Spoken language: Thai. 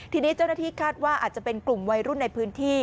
ทีนี้เจ้าหน้าที่คาดว่าอาจจะเป็นกลุ่มวัยรุ่นในพื้นที่